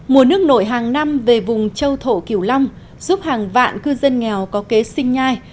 mùa nước nổi hàng năm về vùng châu thổ long giúp hàng vạn cư dân nghèo có kế sinh nhai